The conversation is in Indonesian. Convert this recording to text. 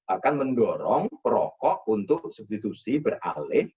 akan mendorong perokok untuk substitusi beralih